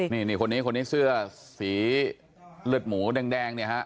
นี่คนนี้เสื้อสีลืดหมูแดงเนี่ยฮะ